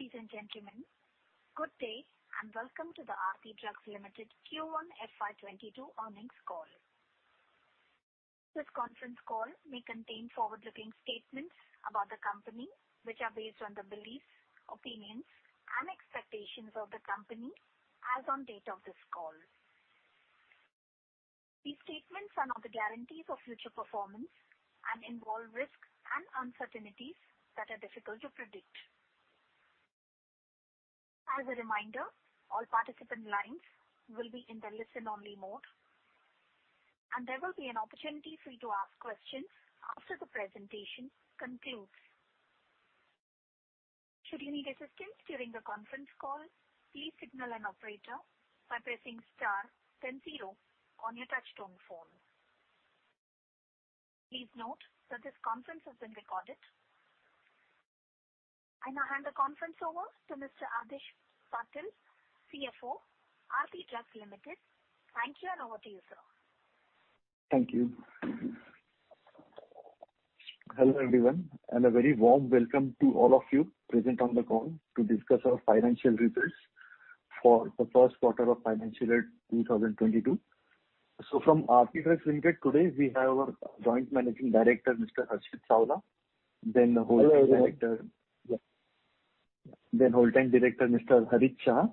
Ladies and gentlemen, good day and welcome to the Aarti Drugs Ltd Q1 FY 2022 earnings call. This conference call may contain forward-looking statements about the company which are based on the beliefs, opinions and expectations of the company as on date of this call. These statements are not the guarantees of future performance and involve risks and uncertainties that are difficult to predict. As a reminder, all participant lines will be in the listen only mode, and there will be an opportunity for you to ask questions after the presentation concludes. Should you need assistance during the conference call, please signal an operator by pressing star then zero on your touch-tone phone. Please note that this conference is being recorded. I now hand the conference over to Mr. Adhish Patil, CFO, Aarti Drugs Ltd. Thank you and over to you, sir. Thank you. Hello, everyone and a very warm welcome to all of you present on the call to discuss our financial results for the first quarter of financial year 2022. From Aarti Drugs Ltd today, we have our Joint Managing Director, Mr. Harshit Savla, then Whole-Time Director. Hello, everyone. Whole-Time Director, Mr. Harit Shah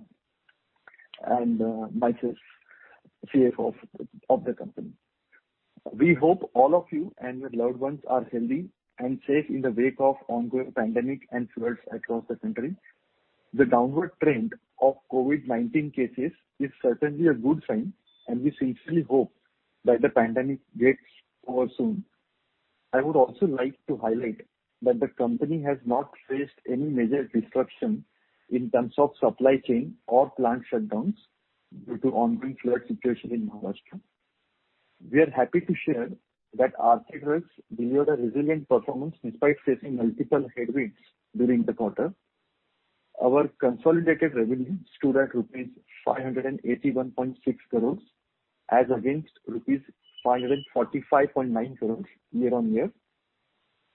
and myself, CFO of the company. We hope all of you and your loved ones are healthy and safe in the wake of ongoing pandemic and floods across the country. The downward trend of COVID-19 cases is certainly a good sign and we sincerely hope that the pandemic gets over soon. I would also like to highlight that the company has not faced any major disruption in terms of supply chain or plant shutdowns due to ongoing flood situation in Maharashtra. We are happy to share that Aarti Drugs delivered a resilient performance despite facing multiple headwinds during the quarter. Our consolidated revenue stood at rupees 581.6 crores as against rupees 545.9 crores year-over-year.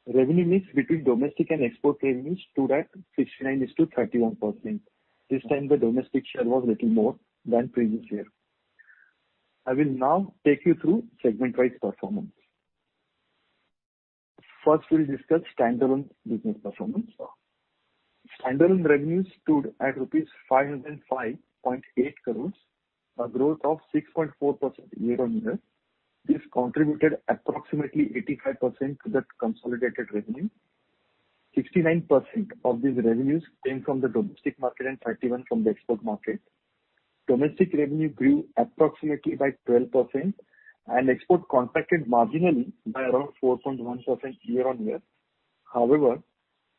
Revenue mix between domestic and export revenues stood at 69:31. This time the domestic share was little more than previous year. I will now take you through segment-wise performance. First, we'll discuss standalone business performance. Standalone revenue stood at 505.8 crores rupees, a growth of 6.4% year-on-year. This contributed approximately 85% to the consolidated revenue. 69% of these revenues came from the domestic market and 31% from the export market. Domestic revenue grew approximately by 12% and export contracted marginally by around 4.1% year-on-year. However,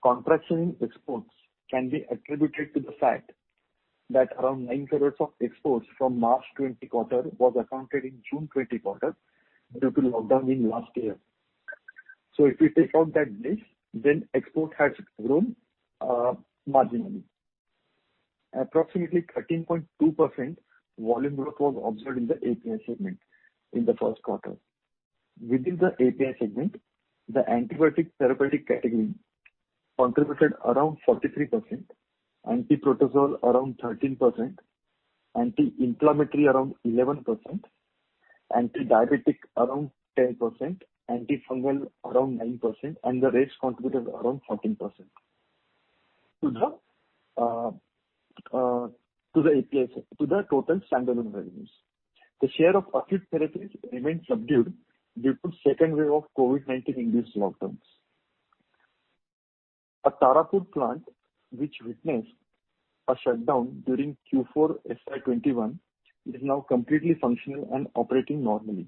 contraction in exports can be attributed to the fact that around 9 crores of exports from March 2020 quarter was accounted in June 2020 quarter due to lockdown in last year. If we take out that mix, then export has grown marginally. Approximately 13.2% volume growth was observed in the API segment in the first quarter. Within the API segment, the antibiotic therapeutic category contributed around 43%, anti-protozoal around 13%, anti-inflammatory around 11%, anti-diabetic around 10%, anti-fungal around 9%, and the rest contributed around 14% to the total standalone revenues. The share of acute therapeutics remained subdued due to second wave of COVID-19-induced lockdowns. Our Tarapur plant, which witnessed a shutdown during Q4 FY21, is now completely functional and operating normally.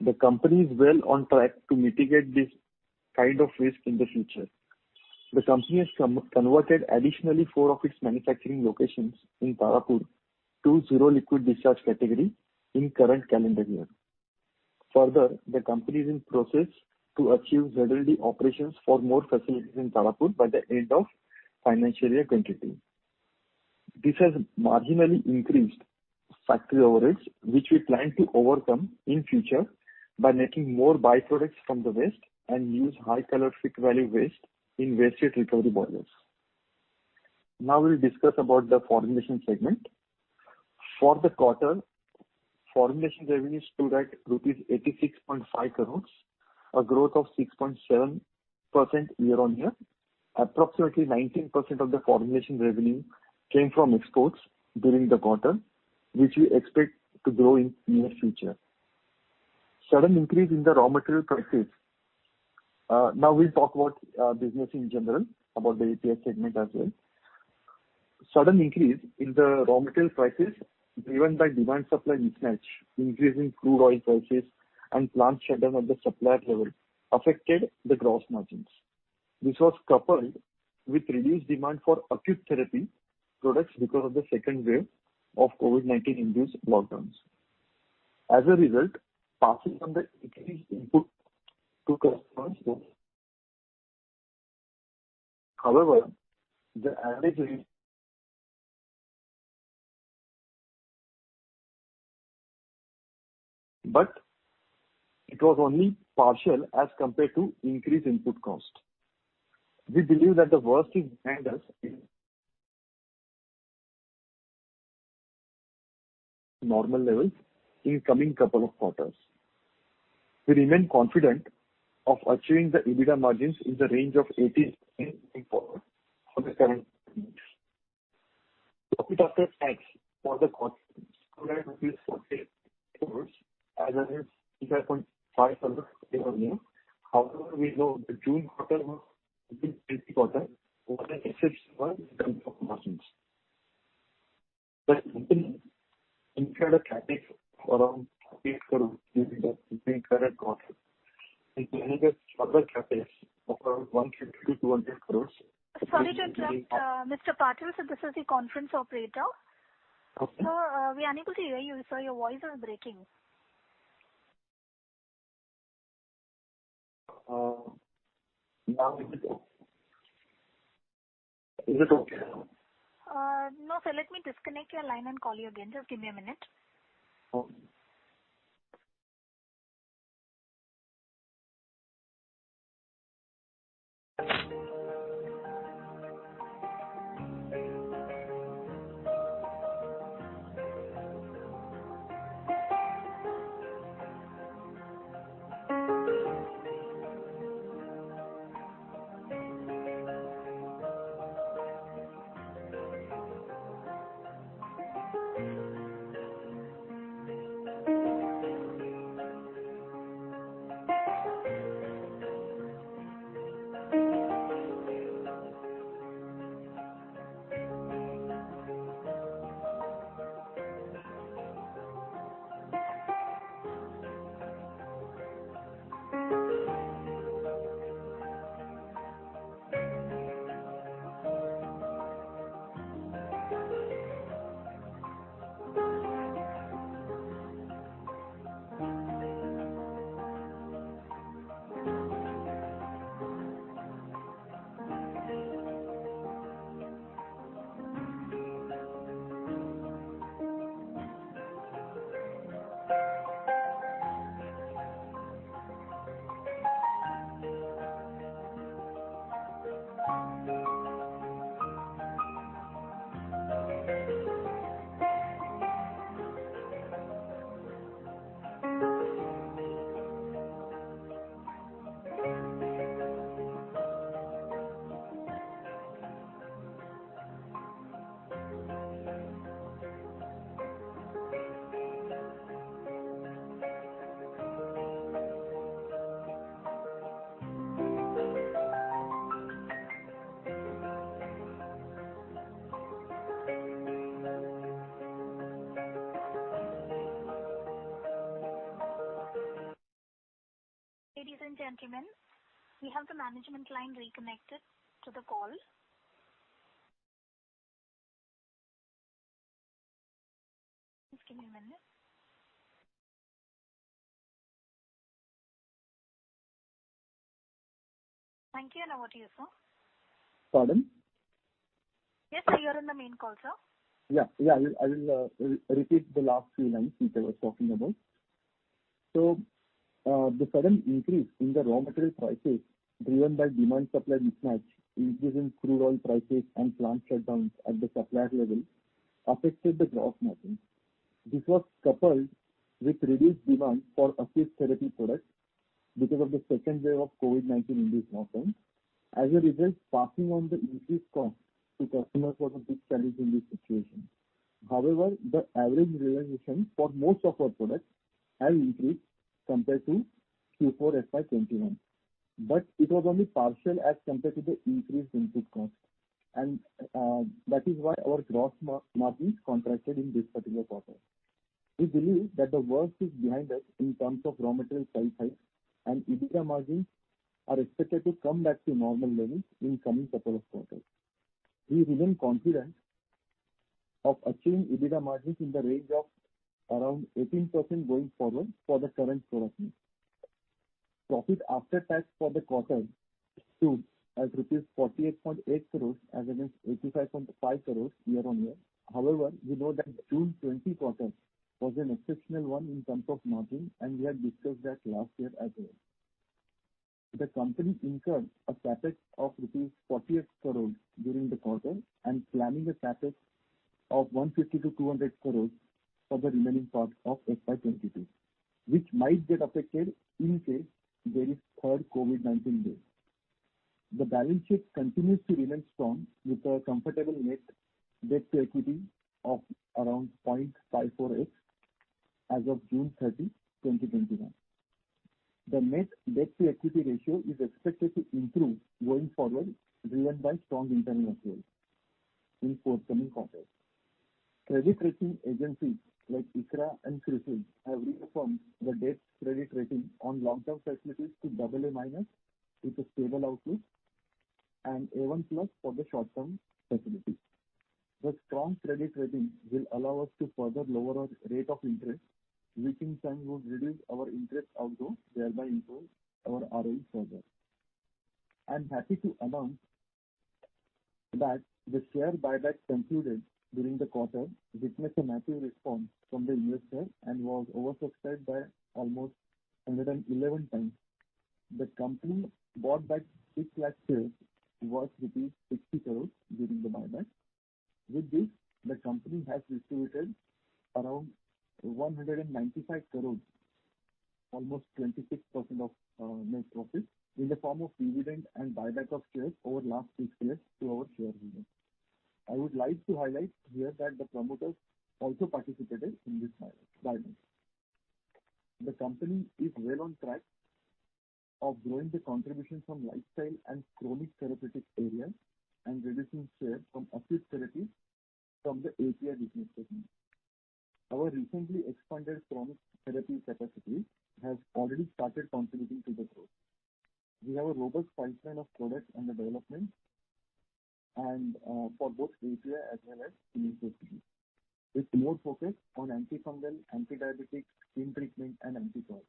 The company is well on track to mitigate this kind of risk in the future. The company has converted additionally four of its manufacturing locations in Tarapur to zero liquid discharge category in current calendar year. The company is in process to achieve ZLD operations for more facilities in Tarapur by the end of financial year 2023. This has marginally increased factory overalls which we plan to overcome in future by making more byproducts from the waste and use high calorific value waste in waste heat recovery boilers. We'll discuss about the formulation segment. For the quarter, formulation revenues stood at rupees 86.5 crores, a growth of 6.7% year-on-year. Approximately 19% of the formulation revenue came from exports during the quarter, which we expect to grow in near future. Sudden increase in the raw material prices. We'll talk about business in general, about the API segment as well. Sudden increase in the raw material prices driven by demand-supply mismatch, increasing crude oil prices and plant shutdown at the supplier level affected the gross margins. This was coupled with reduced demand for acute therapy products because of the second wave of COVID-19-induced lockdowns. As a result, passing on the increased input to customers was. However, the average unit. It was only partial as compared to increased input cost. We believe that the worst is behind us in normal levels in coming couple of quarters. We remain confident of achieving the EBITDA margins in the range of 18% going forward. The current profit after tax for the quarter stood at INR 48.8 crores as against 85.5 crores year-on-year. We know the June quarter was an exceptional one in terms of margins. The company incurred a CapEx around INR 48 crores during the current quarter and planning a further CapEx of around INR 150-200 crores. Sorry to interrupt, Mr. Patil, sir, this is the conference operator. Okay. Sir, we're unable to hear you, sir. Your voice is breaking. Now, is it okay? No, sir. Let me disconnect your line and call you again. Just give me a minute. Okay. Ladies and gentlemen, we have the management line reconnected to the call. Just give me one minute. Thank you. Now over to you, sir. Pardon? Yes, sir. You're in the main call, sir. I will repeat the last few lines which I was talking about. The sudden increase in the raw material prices driven by demand-supply mismatch, increase in crude oil prices, and plant shutdowns at the supplier level affected the gross margins. This was coupled with reduced demand for acute therapy products because of the second wave of COVID-19 in this quarter. As a result, passing on the increased cost to customers was a big challenge in this situation. However, the average realization for most of our products have increased compared to Q4 FY 2021, but it was only partial as compared to the increased input cost. That is why our gross margins contracted in this particular quarter. We believe that the worst is behind us in terms of raw material price hike and EBITDA margins are expected to come back to normal levels in coming couple of quarters. We remain confident of achieving EBITDA margins in the range of around 18% going forward for the current. Profit after tax for the quarter stood at rupees 48.8 crores as against 85.5 crores year-on-year. We know that June 2020 quarter was an exceptional one in terms of margin, and we had discussed that last year as well. The company incurred a CapEx of rupees 48 crores during the quarter and planning a CapEx of 150 crores-200 crores for the remaining part of FY 2022, which might get affected in case there is third COVID-19 wave. The balance sheet continues to remain strong with a comfortable net debt to equity of around 0.54x as of June 30, 2021. The net debt to equity ratio is expected to improve going forward, driven by strong internal in forthcoming quarters. Credit rating agencies like ICRA and CRISIL have reaffirmed the debt credit rating on long-term facilities to AA- with a stable outlook and A1+ for the short-term facilities. The strong credit rating will allow us to further lower our rate of interest, which in turn would reduce our interest outgo, thereby improve our ROE further. I'm happy to announce that the share buyback concluded during the quarter witnessed a massive response from the investor and was oversubscribed by 111 times. The company bought back 6 lakh shares worth rupees 60 crores during the buyback. With this, the company has distributed around 195 crores, almost 26% of our net profit in the form of dividend and buyback of shares over last six years to our shareholders. I would like to highlight here that the promoters also participated in this buyback. The company is well on track of growing the contribution from lifestyle and chronic therapeutic areas and reducing share from acute therapies from the API business segment. Our recently expanded chronic therapy capacity has already started contributing to the growth. We have a robust pipeline of products under development for both API as well as, [inaudible] with more focus on antifungal, antidiabetic, skin treatment, and oncology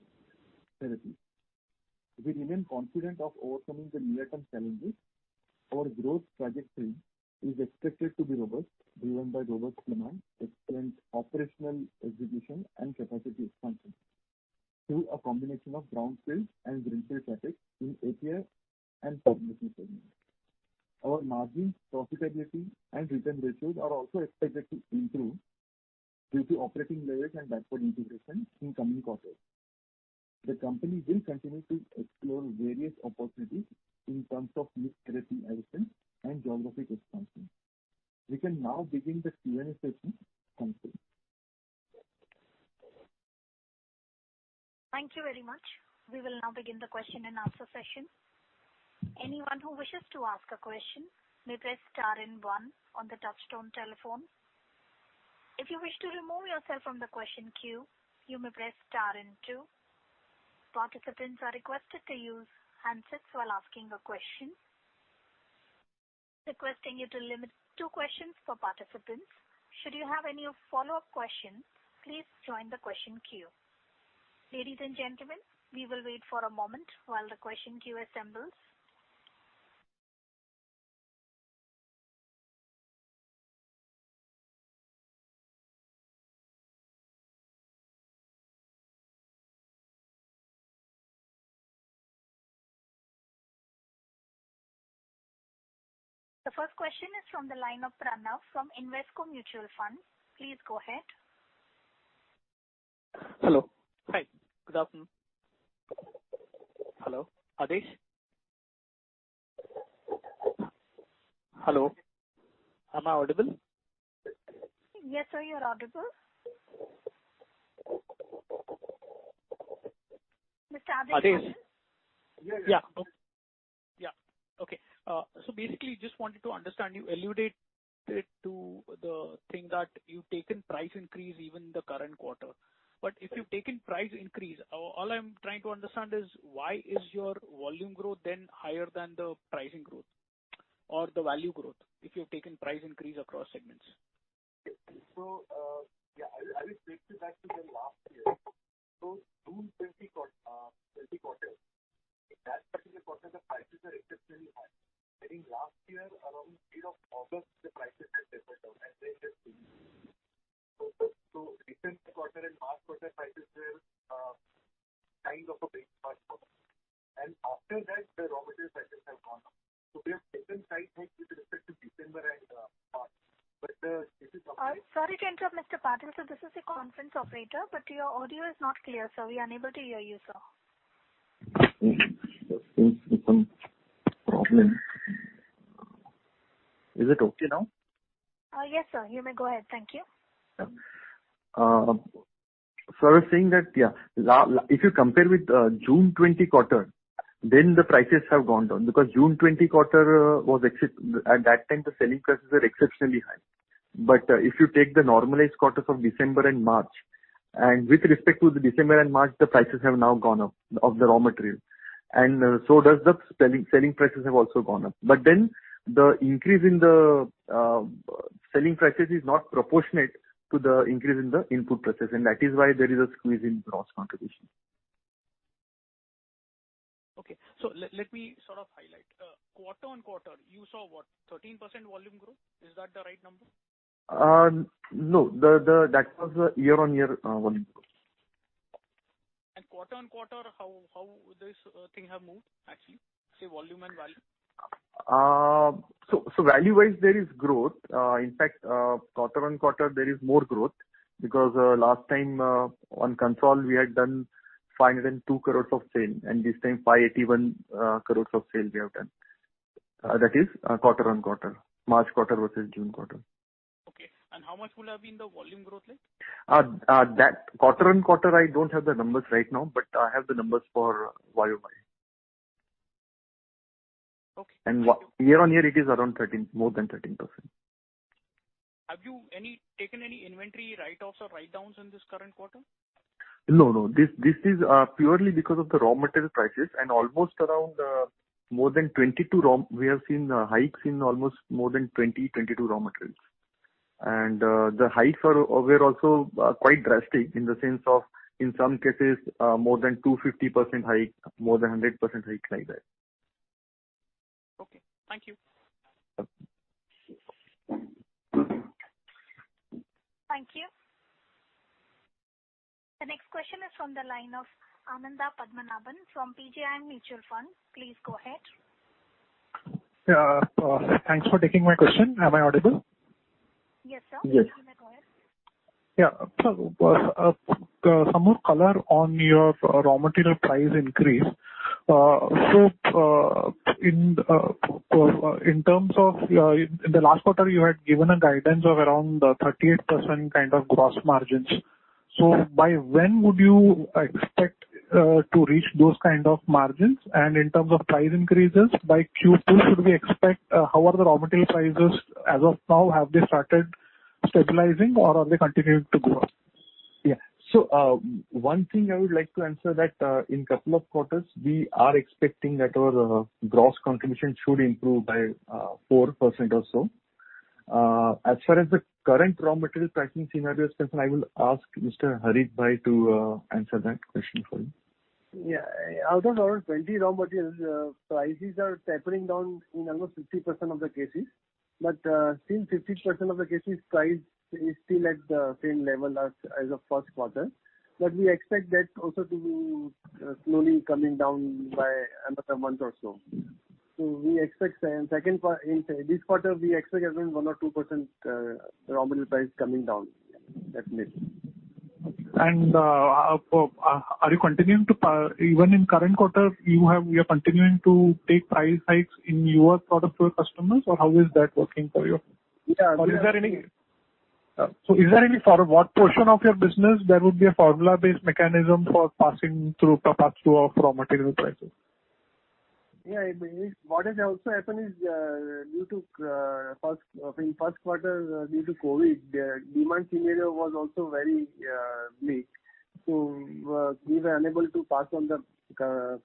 therapy. We remain confident of overcoming the near-term challenges. Our growth trajectory is expected to be robust, driven by robust demand, excellent operational execution, and capacity expansion through a combination of brownfield and greenfield projects in API and segments. Our margins, profitability, and return ratios are also expected to improve due to operating leverage and backward integration in coming quarters. The company will continue to explore various opportunities in terms of new therapy areas and geographic expansion. We can now begin the Q&A session. Thank you. Thank you very much. We will now begin the question and answer session. Anyone who wishes to ask a question may press star and one on the touchtone telephone. If you wish to remove yourself from the question queue, you may press star and two. Participants are requested to use handsets while asking a question. Requesting you to limit two questions per participant. Should you have any follow-up questions, please join the question queue. Ladies and gentlemen, we will wait for a moment while the question queue assembles. The first question is from the line of Pranav from Invesco Mutual Fund. Please go ahead. Hello. Hi. Good afternoon. Hello. Adhish? Hello. Am I audible? Yes, sir. You are audible. Mr. Adhish Patil. Adhish. Yeah. Yeah. Okay. Basically, just wanted to understand, you alluded to the thing that you've taken price increase even in the current quarter. If you've taken price increase, all I'm trying to understand is why is your volume growth then higher than the pricing growth or the value growth, if you've taken price increase across segments. Yeah, I will take you back to the last year. June 2020 quarter. In that particular quarter, the prices are exceptionally high. I think last year, around August, the prices had tapered down. Recent quarter and last quarter prices were kind of a break-even. After that, the raw material prices have gone up. We have taken price hikes with respect to December and March. This is something. Sorry to interrupt, Mr. Patil, sir. This is a conference operator, but your audio is not clear, sir. We are unable to hear you, sir. There seems to be some problem. Is it okay now? Yes, sir. You may go ahead. Thank you. I was saying that if you compare with June 2020 quarter, then the prices have gone down because June 2020 quarter, at that time, the selling prices were exceptionally high. If you take the normalized quarters of December and March, and with respect to the December and March, the prices have now gone up, of the raw material. So does the selling prices have also gone up. The increase in the selling prices is not proportionate to the increase in the input prices, and that is why there is a squeeze in gross contribution. Okay. Let me sort of highlight. Quarter-on-quarter, you saw what? 13% volume growth? Is that the right number? No. That was year-on-year volume growth. Quarter-on-quarter, how this thing have moved, actually? Say, volume and value. Value-wise, there is growth. In fact, quarter-on-quarter, there is more growth because last time, on consol, we had done 502 crores of sale, and this time, 581 crores of sale we have done. That is quarter-on-quarter, March quarter versus June quarter. Okay. How much will have been the volume growth like? Quarter-on-quarter, I don't have the numbers right now, but I have the numbers for value-wise. Okay. Year-on-year it is around more than 13%. Have you taken any inventory write-offs or write-downs in this current quarter? No. This is purely because of the raw material prices and we have seen hikes in almost more than 20, 22 raw materials. The hikes were also quite drastic in the sense of, in some cases, more than 250% hike, more than 100% hike like that. Okay. Thank you. Thank you. The next question is from the line of Anandha Padmanabhan from PGIM Mutual Fund. Please go ahead. Yeah. Thanks for taking my question. Am I audible? Yes, sir. Yes. You may go ahead. Yeah. Sir, some more color on your raw material price increase. In terms of the last quarter, you had given a guidance of around 38% kind of gross margins. By when would you expect to reach those kind of margins? In terms of price increases, by Q2, how are the raw material prices as of now? Have they started stabilizing or are they continuing to go up? One thing I would like to answer that in a couple of quarters, we are expecting that our gross contribution should improve by 4% or so. As far as the current raw material pricing scenario is concerned, I will ask Mr. Harit Bhai to answer that question for you. Out of around 20 raw materials, prices are tapering down in almost 60% of the cases. Since 50% of the cases, price is still at the same level as of 1st quarter. We expect that also to be slowly coming down by another month or so. In this quarter, we expect around 1% or 2% raw material price coming down, definitely. Are you continuing to Even in current quarter, you are continuing to take price hikes in your product for customers, or how is that working for you? Yeah. Is there any for what portion of your business there would be a formula-based mechanism for passing through raw material prices? Yeah. What is also happened is in first quarter, due to COVID, demand scenario was also very bleak. We were unable to pass on the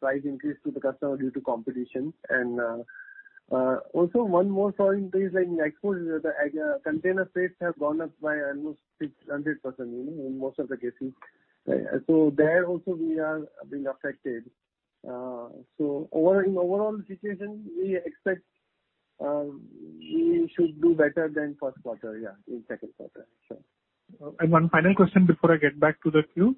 price increase to the customer due to competition. One more thing is in export, the container rates have gone up by almost 600% in most of the cases. There also we are being affected. In the overall situation, we expect we should do better than first quarter, yeah, in second quarter. Sure. One final question before I get back to the queue.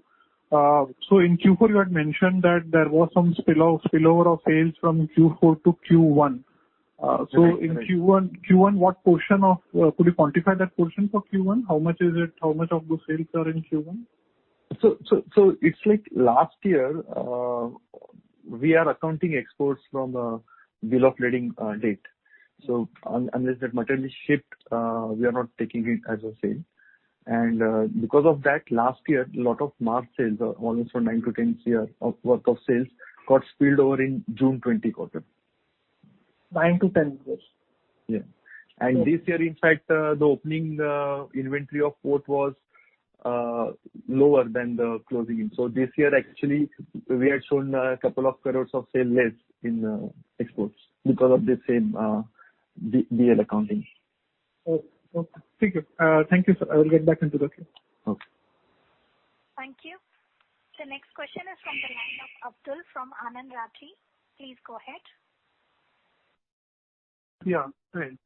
In Q4 you had mentioned that there was some spillover of sales from Q4 to Q1. In Q1, could you quantify that portion for Q1? How much is it? How much of those sales are in Q1? It's like last year, we are accounting exports from bill of lading date. Unless that material is shipped, we are not taking it as a sale. Because of that, last year, a lot of March sales, almost 9 crore-10 crore worth of sales got spilled over in June 20 quarter. 9 crore-10 crore? Yeah. This year, in fact, the opening inventory of port was lower than the closing inventory. This year actually, we had shown a couple of crores of sale less in exports because of the same bill accounting. Okay. Thank you. Thank you, sir. I will get back into the queue. Okay. Thank you. The next question is from the line of Abdul from Anand Rathi. Please go ahead. Yeah.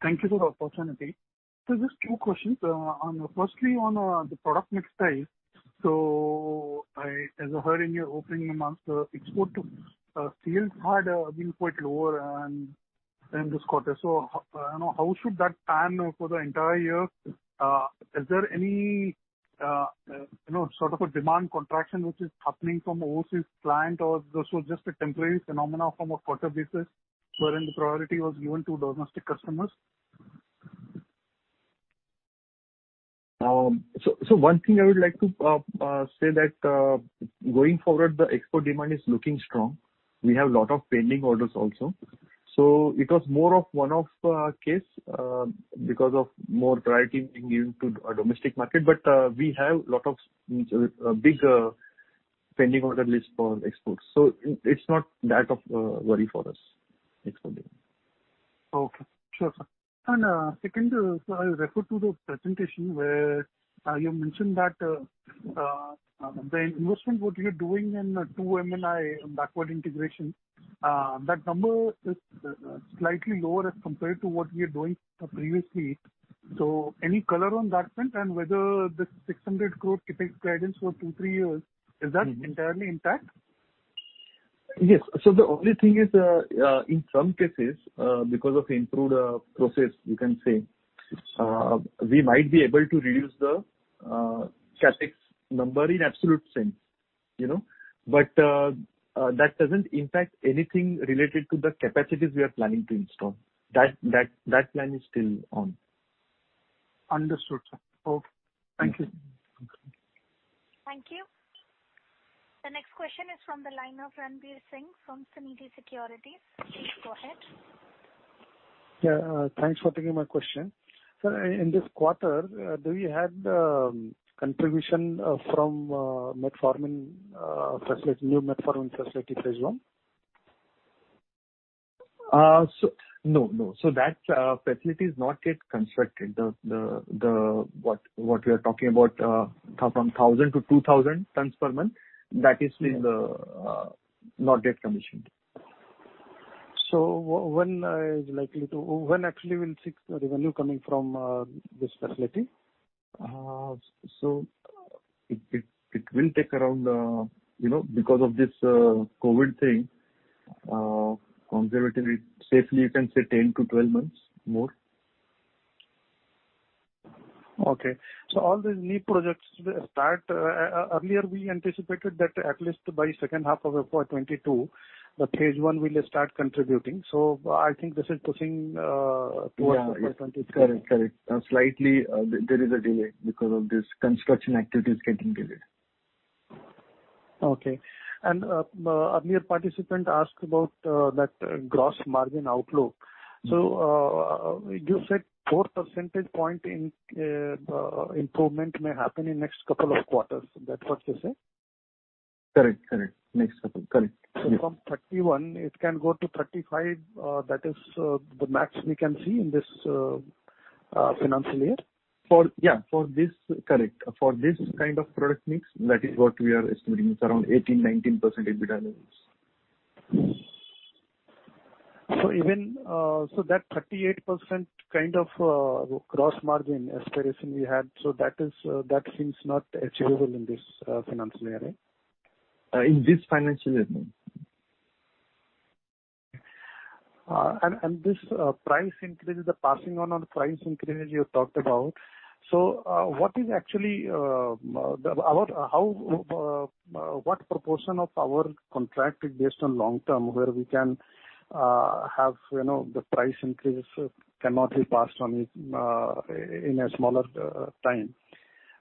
Thank you for the opportunity. Sir, just two questions. Firstly, on the product mix side. As I heard in your opening remarks, the export sales had been quite lower in this quarter. How should that pan for the entire year? Is there any sort of a demand contraction which is happening from overseas client or this was just a temporary phenomenon from a quarter basis wherein the priority was given to domestic customers? One thing I would like to say that going forward, the export demand is looking strong. We have a lot of pending orders also. It was more of one-off case because of more priority being given to our domestic market. We have lot of big pending order list for exports, so it is not that of a worry for us. Export demand. Okay. Sure, sir. Second, sir, I refer to the presentation where you mentioned that the investment what you're doing in two M&A backward integration, that number is slightly lower as compared to what we were doing previously. Any color on that front, and whether the 600 crore CapEx guidance for two, three years, is that entirely intact? Yes. The only thing is in some cases, because of improved process, you can say, we might be able to reduce the CapEx number in absolute sense. That doesn't impact anything related to the capacities we are planning to install. That plan is still on. Understood, sir. Okay. Thank you. Thank you. The next question is from the line of Ranvir Singh from Sunidhi Securities. Please go ahead. Yeah. Thanks for taking my question. Sir, in this quarter, do you had contribution from new metformin facility, phase I? No. That facility is not yet constructed. What we are talking about from 1,000 tons-2,000 tons per month, that is still not yet commissioned. When actually we'll see the revenue coming from this facility? It will take around, because of this COVID thing, conservatively, safely, you can say 10-12 months more. Okay. All the new projects start. Earlier we anticipated that at least by second half of FY 2022, the phase I will start contributing. I think this is pushing towards FY 2023. Correct. Slightly, there is a delay because of this construction activities getting delayed. Okay. Earlier participant asked about that gross margin outlook. You said four percentage point improvement may happen in next couple of quarters. That's what you say? Correct. Next couple, correct. From 31 it can go to 35, that is the max we can see in this financial year? Yeah. Correct. For this kind of product mix, that is what we are estimating. It's around 18%, 19% EBITDA margins. That 38% kind of gross margin aspiration we had, so that seems not achievable in this financial year, right? In this financial year, no. This price increases, the passing on price increases you talked about. What proportion of our contract is based on long-term, where we can have the price increases cannot be passed on in a smaller time?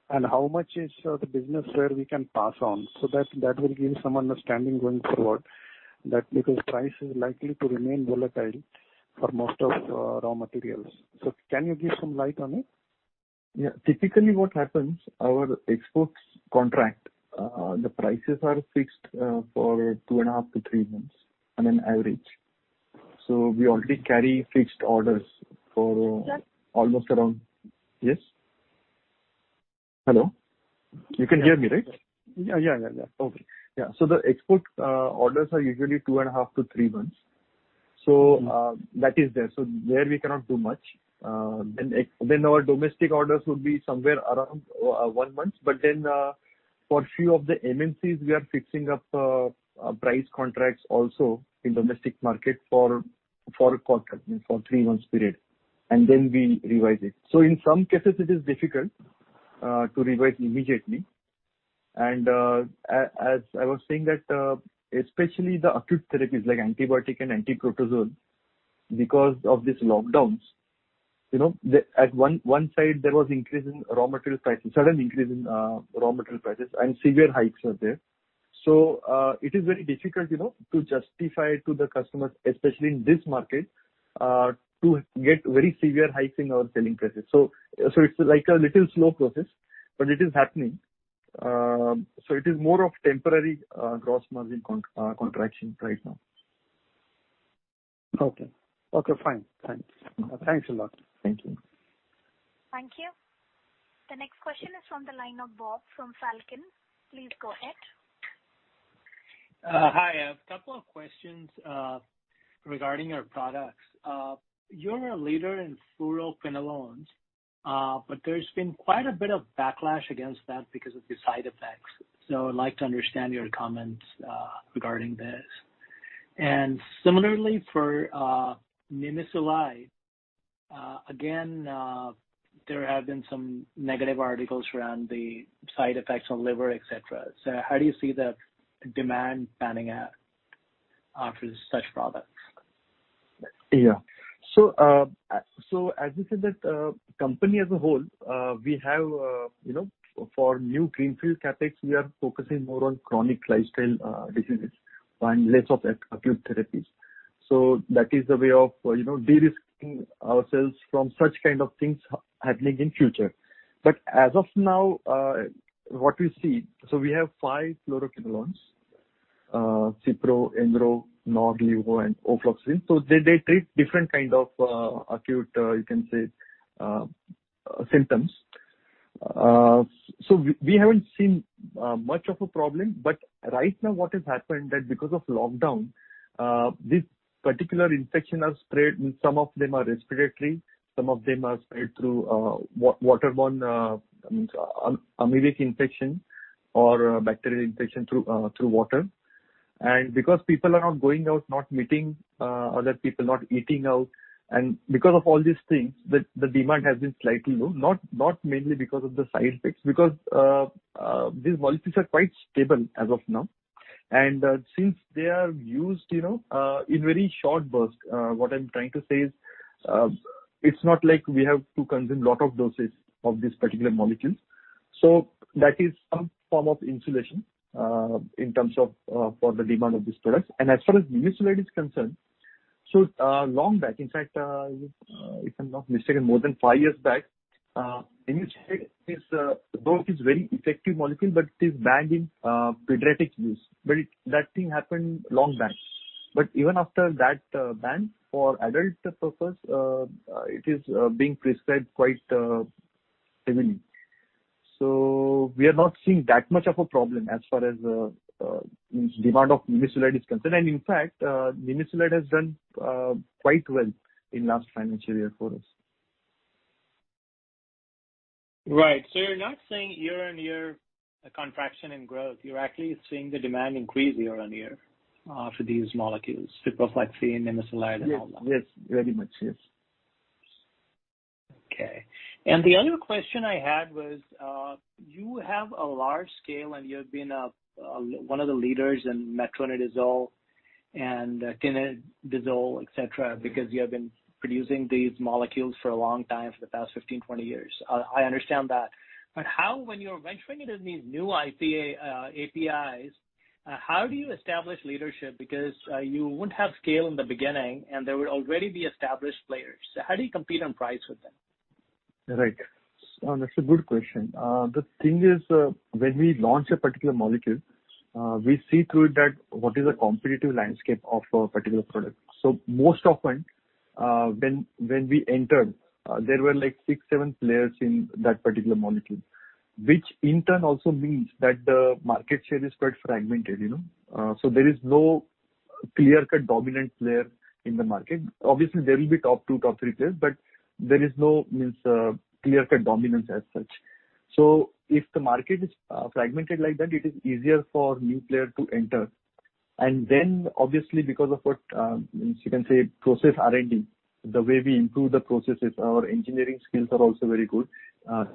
How much is the business where we can pass on? That will give some understanding going forward that because price is likely to remain volatile for most of raw materials. Can you give some light on it? Yeah. Typically what happens, our exports contract the prices are fixed for two and a half to three months on an average. We already carry fixed orders for almost around. Yes? Hello? You can hear me, right? Yeah. Okay. Yeah. The export orders are usually 2.5-3 months. That is there. There we cannot do much. Our domestic orders would be somewhere around 1 month, for few of the MNCs, we are fixing up price contracts also in domestic market for contract, means for three months period, we revise it. In some cases it is difficult to revise immediately. As I was saying that especially the acute therapies like antibiotic and antiprotozoal, because of these lockdowns, at one side there was increase in raw material prices, sudden increase in raw material prices and severe hikes were there. It is very difficult to justify to the customers, especially in this market, to get very severe hikes in our selling prices. It's like a little slow process, but it is happening. It is more of temporary gross margin contraction right now. Okay. Fine. Thanks. Thanks a lot. Thank you. Thank you. The next question is from the line of Bob from Falcon. Please go ahead. Hi. A couple of questions regarding your products. You're a leader in fluoroquinolones, there's been quite a bit of backlash against that because of the side effects. I'd like to understand your comments regarding this. Similarly for nimesulide, again, there have been some negative articles around the side effects on liver, et cetera. How do you see the demand panning out for such products? As we said that company as a whole, for new greenfield CapEx, we are focusing more on chronic lifestyle diseases and less of acute therapies. That is the way of de-risking ourselves from such kind of things happening in future. As of now, what we see, we have five fluoroquinolones Ciprofloxacin, Enrofloxacin, Norfloxacin, Levofloxacin and Ofloxacin. They treat different kind of acute, you can say, symptoms. We haven't seen much of a problem, but right now what has happened that because of lockdown, this particular infection has spread and some of them are respiratory, some of them are spread through waterborne amebic infection or bacterial infection through water. Because people are not going out, not meeting other people, not eating out, and because of all these things, the demand has been slightly low. Not mainly because of the side effects, because these molecules are quite stable as of now. Since they are used in very short burst, what I'm trying to say is, it's not like we have to consume lot of doses of these particular molecules. That is some form of insulation in terms of for the demand of these products. As far as nimesulide is concerned, long back, in fact, if I'm not mistaken, more than five years back. Nimesulide is, though it is very effective molecule, but it is banned in pediatric use. That thing happened long back. Even after that ban, for adult purpose, it is being prescribed quite heavily. We are not seeing that much of a problem as far as demand of nimesulide is concerned. In fact, nimesulide has done quite well in last financial year for us. Right. You're not seeing year-on-year contraction in growth. You're actually seeing the demand increase year-on-year for these molecules, [inaudible] nimesulide, and all that. Yes. Very much, yes. Okay. The other question I had was, you have a large scale, and you have been one of the leaders in metronidazole and tinidazole, et cetera, because you have been producing these molecules for a long time, for the past 15, 20 years. I understand that. When you're venturing into these new APIs, how do you establish leadership? Because you won't have scale in the beginning, and there would already be established players. How do you compete on price with them? Right. That's a good question. The thing is, when we launch a particular molecule, we see through it that what is the competitive landscape of our particular product. Most often, when we entered, there were six, seven players in that particular molecule, which in turn also means that the market share is quite fragmented. There is no clear-cut dominant player in the market. Obviously, there will be top two, top three players, but there is no clear-cut dominance as such. If the market is fragmented like that, it is easier for new player to enter. Obviously, because of what, you can say, process R&D, the way we improve the processes, our engineering skills are also very good,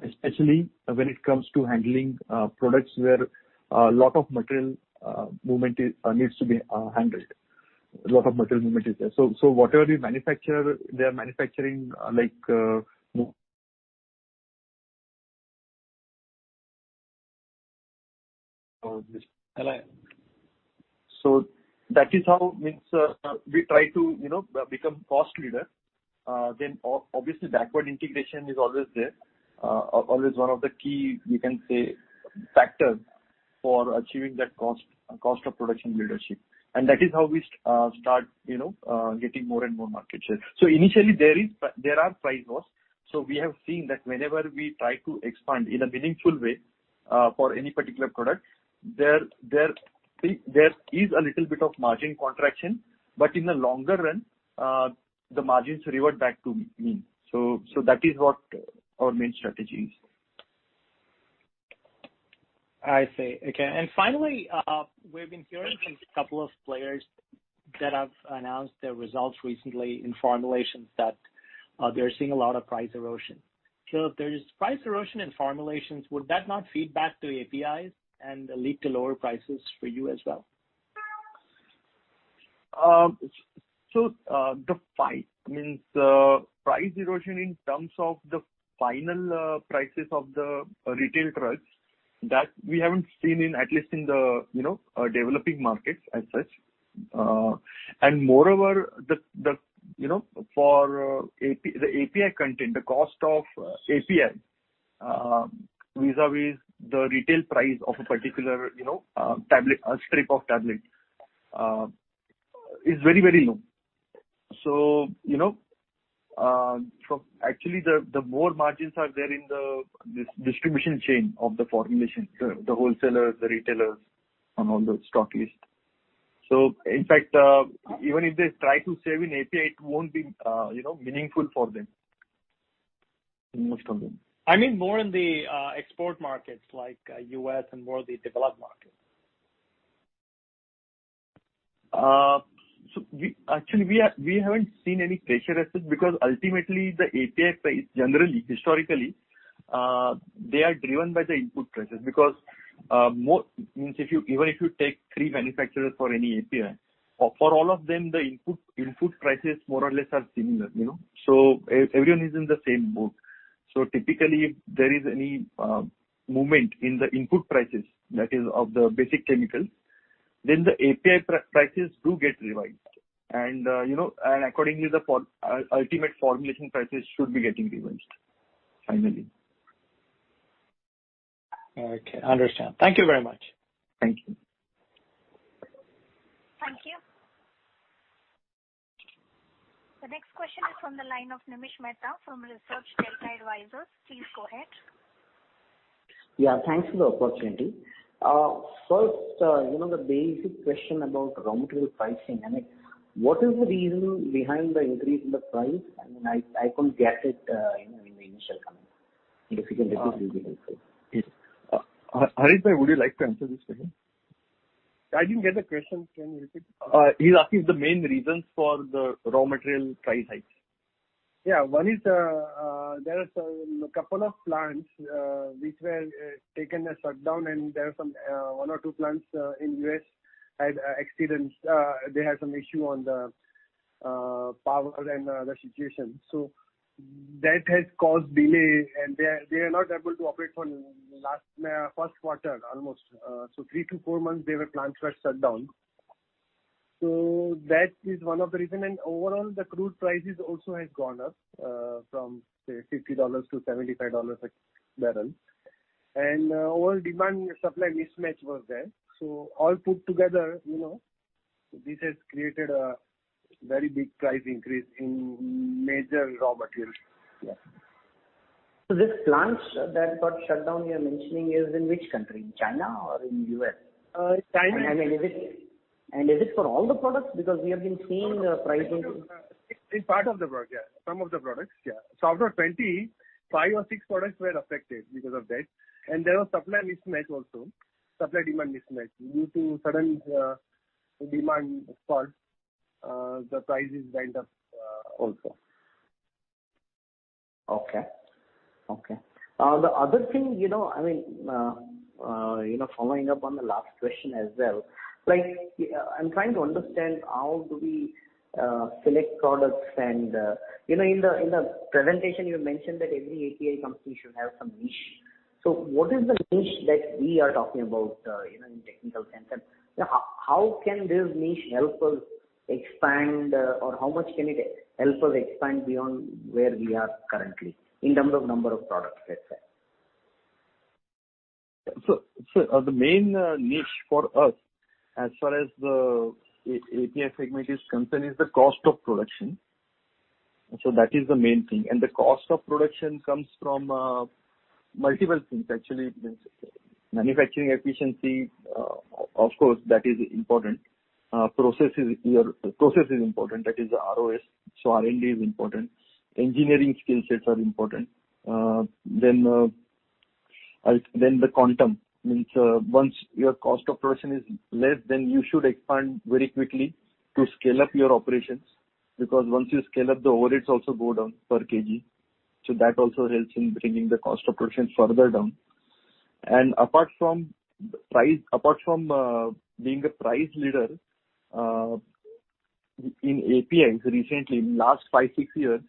especially when it comes to handling products where a lot of material movement needs to be handled. A lot of material movement is there. Whatever we manufacture, they are manufacturing like. That is how we try to become cost leader. Obviously backward integration is always there, always one of the key, we can say, factor for achieving that cost of production leadership. That is how we start getting more and more market share. Initially there are price wars. We have seen that whenever we try to expand in a meaningful way for any particular product, there is a little bit of margin contraction, but in the longer run, the margins revert back to mean. That is what our main strategy is. I see. Okay. Finally, we've been hearing from a couple of players that have announced their results recently in formulations that they're seeing a lot of price erosion. If there is price erosion in formulations, would that not feed back to APIs and lead to lower prices for you as well? The price erosion in terms of the final prices of the retail drugs, that we haven't seen in, at least in the developing markets as such. Moreover, for the API content, the cost of API vis-à-vis the retail price of a particular strip of tablet is very, very low. Actually, the more margins are there in the distribution chain of the formulation, the wholesalers, the retailers, and all the stockists. In fact, even if they try to save in API, it won't be meaningful for them. Most of them. I mean more in the export markets like U.S. and more the developed markets. Actually, we haven't seen any pressure as such because ultimately the API price generally, historically, they are driven by the input prices. Even if you take 3 manufacturers for any API, for all of them, the input prices more or less are similar. Everyone is in the same boat. Typically, if there is any movement in the input prices, that is of the basic chemicals, then the API prices do get revised. Accordingly, the ultimate formulation prices should be getting revised finally. Okay, I understand. Thank you very much. Thank you. Thank you. The next question is from the line of Nimish Mehta from Research Delta Advisors. Please go ahead. Yeah, thanks for the opportunity. First, the basic question about raw material pricing. What is the reason behind the increase in the price? I couldn't get it in the initial comment. If you can please be helpful. Harit bhai, would you like to answer this question? I didn't get the question. Can you repeat? He's asking the main reasons for the raw material price hikes. Yeah. One is, there are a couple of plants which were taken a shutdown, and there are one or two plants in U.S. had accident. They had some issue on the power and the situation. That has caused delay, and they are not able to operate from first quarter almost. Three to four months, their plants were shut down. That is one of the reason. Overall, the crude prices also has gone up from $50/barrel-$75/barrel. Overall demand and supply mismatch was there. All put together, this has created a very big price increase in major raw materials. Yes. These plants that got shut down, you're mentioning, is in which country? In China or in U.S.? China. Is it for all the products? Because we have been seeing pricing. It's part of the product, yeah. Some of the products, yeah. Out of 20, five or six products were affected because of that, and there was supply mismatch also. Supply-demand mismatch due to sudden demand fall, the prices went up also. Okay. The other thing, following up on the last question as well, I'm trying to understand how do we select products. In the presentation, you mentioned that every API company should have some niche. What is the niche that we are talking about in technical sense? How can this niche help us expand, or how much can it help us expand beyond where we are currently in terms of number of products, let's say? The main niche for us, as far as the API segment is concerned, is the cost of production. That is the main thing. The cost of production comes from multiple things, actually. It means manufacturing efficiency, of course, that is important. Process is important, that is the ROS. R&D is important. Engineering skill sets are important. The quantum, means once your cost of production is less, then you should expand very quickly to scale up your operations, because once you scale up, the overheads also go down per kg. That also helps in bringing the cost of production further down. Apart from being a price leader in APIs recently, in last five, six years,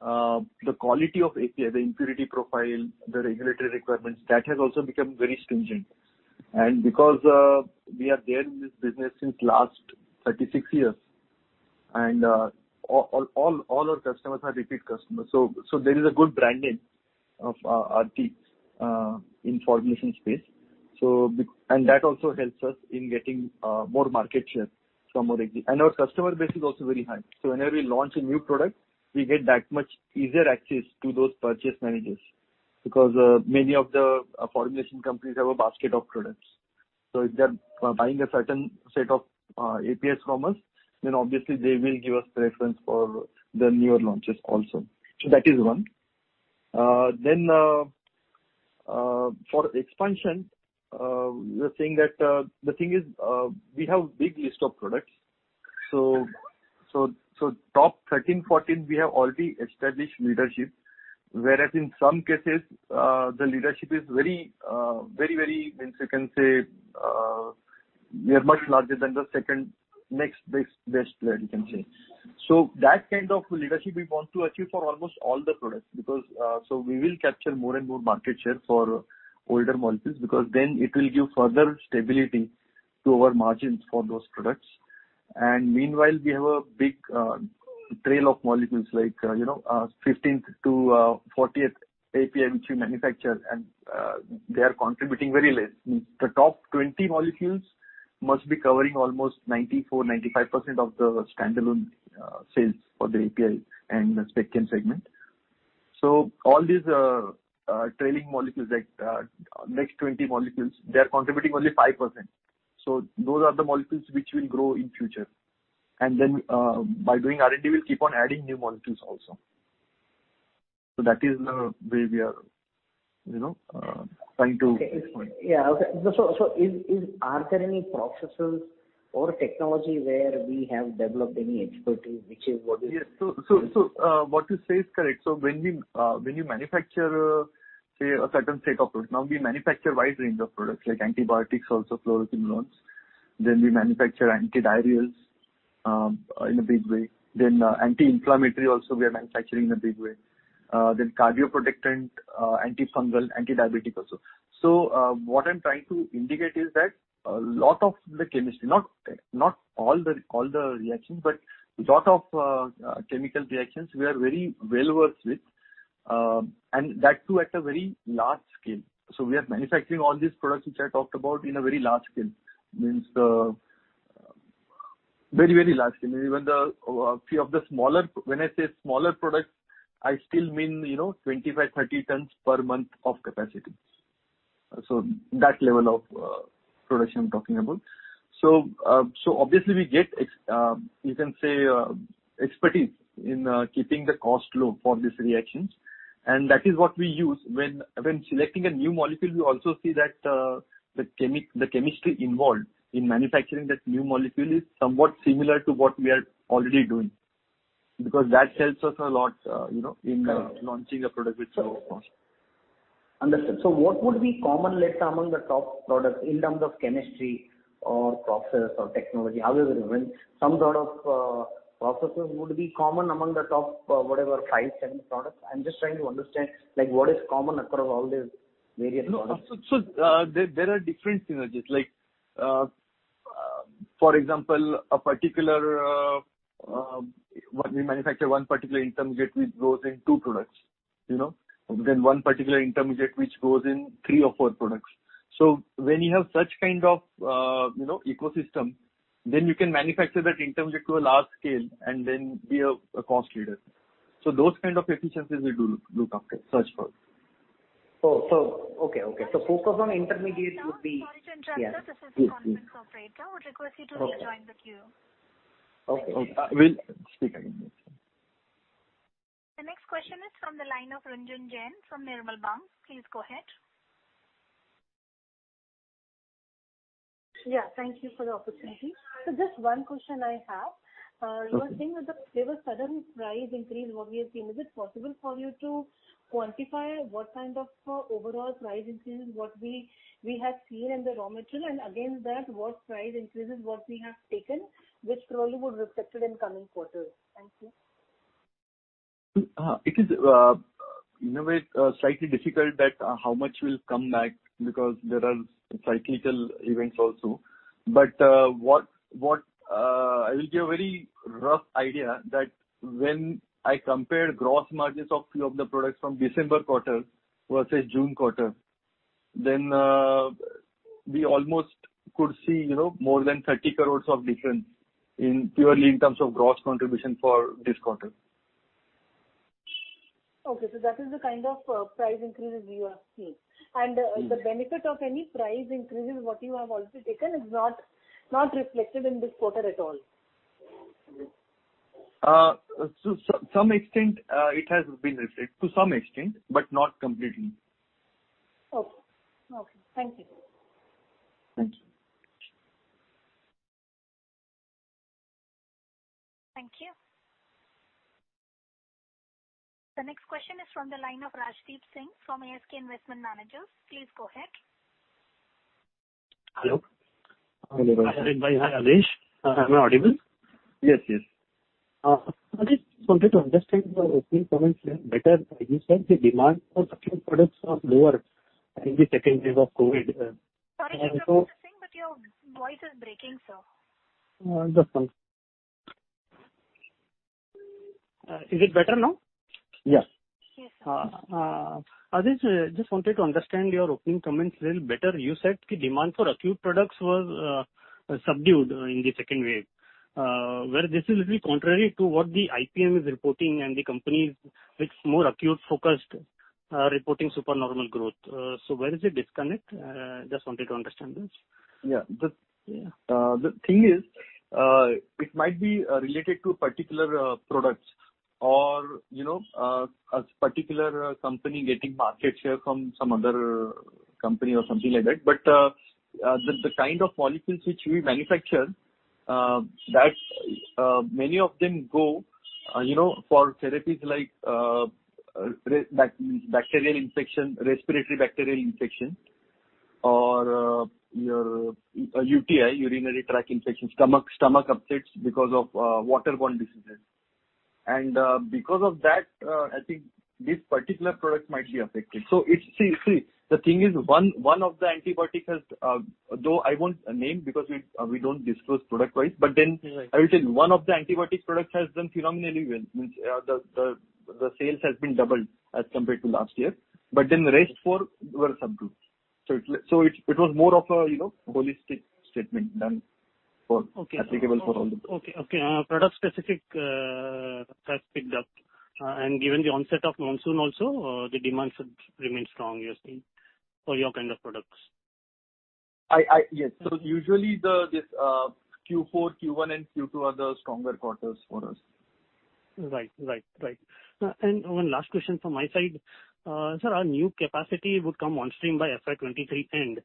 the quality of API, the impurity profile, the regulatory requirements, that has also become very stringent. Because we are there in this business since last 36 years, and all our customers are repeat customers. There is a good brand name of Aarti's in formulation space. That also helps us in getting more market share. Our customer base is also very high. Whenever we launch a new product, we get that much easier access to those purchase managers, because many of the formulation companies have a basket of products. If they're buying a certain set of APIs from us, then obviously they will give us preference for the newer launches also. That is one. For expansion, the thing is, we have big list of products. Top 13, 14, we have already established leadership, whereas in some cases the leadership is very, very, means we can say we are much larger than the second next best player, you can say. That kind of leadership we want to achieve for almost all the products. We will capture more and more market share for older molecules because then it will give further stability to our margins for those products. Meanwhile, we have a big trail of molecules, like 15th to 40th API which we manufacture, and they are contributing very less. The top 20 molecules must be covering almost 94%, 95% of the standalone sales for the API and the Spec Chem segment. All these trailing molecules, next 20 molecules, they are contributing only 5%. Those are the molecules which will grow in future. Then by doing R&D, we will keep on adding new molecules also. That is the way we are trying to expand. Yeah. Okay. Are there any processes or technology where we have developed any expertise? Yes. What you say is correct. When you manufacture, say a certain set of products. We manufacture wide range of products, like antibiotics, also fluoroquinolones. We manufacture antidiarrheals in a big way. Anti-inflammatory also we are manufacturing in a big way. Cardioprotectant, antifungal, antidiabetic also. What I'm trying to indicate is that a lot of the chemistry, not all the reactions, but lot of chemical reactions we are very well versed with, and that too at a very large scale. We are manufacturing all these products which I talked about in a very large scale, means very, very large scale. When I say smaller products, I still mean 25 tons/month, 30 tons/month of capacity. That level of production I'm talking about. Obviously we get, you can say, expertise in keeping the cost low for these reactions, and that is what we use. When selecting a new molecule, we also see that the chemistry involved in manufacturing that new molecule is somewhat similar to what we are already doing, because that helps us a lot in launching a product with low cost. Understood. What would be common, let's say, among the top products in terms of chemistry or process or technology? Are there even some sort of processes would be common among the top, whatever, five, 10 products? I am just trying to understand what is common across all these various products. There are different synergies. Like, for example, we manufacture one particular intermediate which goes in two products. One particular intermediate which goes in three or four products. When you have such kind of ecosystem, then you can manufacture that intermediate to a large scale and then be a cost leader. Those kind of efficiencies we do look after, search for. Okay. Focus on intermediate. Sir, sorry to interrupt. This is a conference operator, would request you to please join the queue. Okay. We'll speak again. The next question is from the line of Runjhun Jain from Nirmal Bang. Please go ahead. Yeah, thank you for the opportunity. Just one question I have. You were saying that there was sudden price increase, what we have seen. Is it possible for you to quantify what kind of overall price increases what we have seen in the raw material, and against that, what price increases what we have taken, which probably would reflected in coming quarters? Thank you. It is, in a way, slightly difficult that how much will come back because there are cyclical events also. I will give a very rough idea that when I compare gross margins of few of the products from December quarter versus June quarter, we almost could see more than 30 crores of difference purely in terms of gross contribution for this quarter. Okay. That is the kind of price increases you are seeing. The benefit of any price increases what you have already taken is not reflected in this quarter at all? To some extent it has been reflected, but not completely. Okay. Thank you. Thank you. The next question is from the line of Rajdeep Singh from ASK Investment Managers. Please go ahead. Hello. Hello. Hi, Adhish. Am I audible? Yes. I just wanted to understand your opening comments a little better. You said the demand for acute products was lower in the second wave of COVID. Sorry to interrupt, Mr. Singh, but your voice is breaking, sir. Just one second. Is it better now? Yes. Yes, sir. Adhish, just wanted to understand your opening comments a little better. You said the demand for acute products was subdued in the second wave. Well, this is a bit contrary to what the IPM is reporting and the companies with more acute-focused are reporting super normal growth. Where is the disconnect? Just wanted to understand this. The thing is, it might be related to particular products or a particular company getting market share from some other company or something like that. The kind of molecules which we manufacture, many of them go for therapies like respiratory bacterial infection or UTI, urinary tract infection, stomach upsets because of waterborne diseases. Because of that I think these particular products might be affected. See, the thing is, one of the antibiotic has, though I won't name because we don't disclose product-wise. Right. I will tell you, one of the antibiotic products has done phenomenally well, means the sales has been doubled as compared to last year, but then the rest four were subdued. It was more of a holistic statement than applicable for all the. Okay. Product specific has picked up. Given the onset of monsoon also, the demand should remain strong, you're seeing, for your kind of products. Yes. Usually this Q4, Q1, and Q2 are the stronger quarters for us. Right. One last question from my side. Sir, our new capacity would come on stream by FY 2023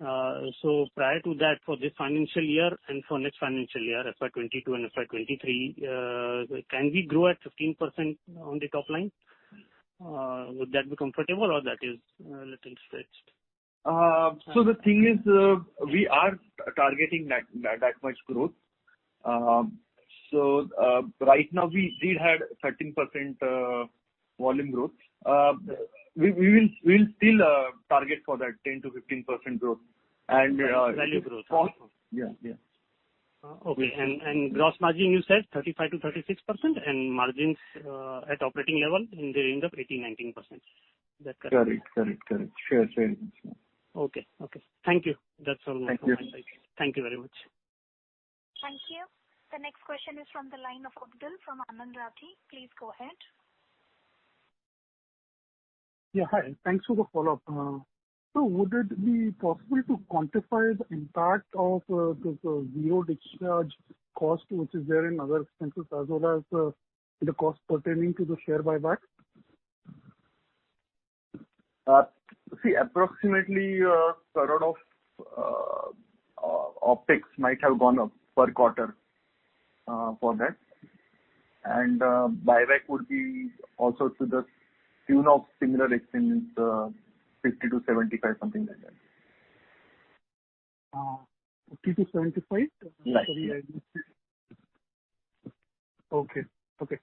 end. Prior to that, for this financial year and for next financial year, FY 2022 and FY 2023, can we grow at 15% on the top line? Would that be comfortable or that is a little stretched? The thing is, we are targeting that much growth. Right now we did have 13% volume growth. We'll still target for that 10%-15% growth. Value growth. Yeah. Okay. Gross margin, you said 35%-36%, and margins at operating level in the range of 18%-19%. Is that correct? Correct. Sure. Okay. Thank you. That is all from my side. Thank you. Thank you very much. Thank you. The next question is from the line of Abdul from Anand Rathi. Please go ahead. Yeah, hi. Thanks for the follow-up. Would it be possible to quantify the impact of this zero discharge cost which is there in other expenses as well as the cost pertaining to the share buyback? See, approximately 1 crore of OpEx might have gone up per quarter for that. Buyback would be also to the tune of similar expense, 50-75, something like that. 50-75? Right. Okay.